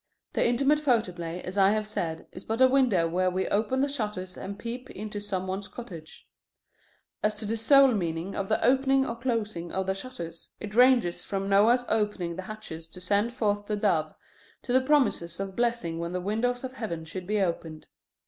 The Intimate Photoplay, as I have said, is but a window where we open the shutters and peep into some one's cottage. As to the soul meaning in the opening or closing of the shutters, it ranges from Noah's opening the hatches to send forth the dove, to the promises of blessing when the Windows of Heaven should be opened.